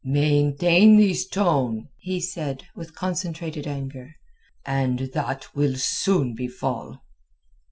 "Maintain this tone," he said, with concentrated anger, "and that will soon befall."